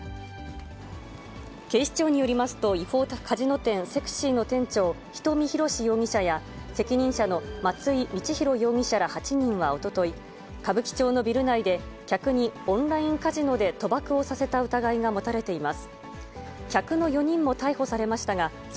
警視庁によりますと、違法カジノ店、ＳＥＸＹの店長、人見ひろし容疑者や、責任者の松井充玄容疑者ら８人はおととい、歌舞伎町のビル内で、客にオンラインカジノで賭博をさせた疑いが持たれています。